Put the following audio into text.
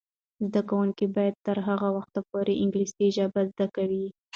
زده کوونکې به تر هغه وخته پورې انګلیسي ژبه زده کوي.